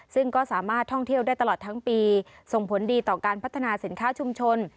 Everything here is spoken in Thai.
ซึ่งก็สามารถท่องเที่ยวได้ตลอดทั้งปีส่งผลดีต่อการพัฒนาสินค้าชุมชน